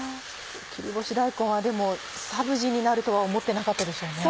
切り干し大根はでもサブジになるとは思ってなかったでしょうね。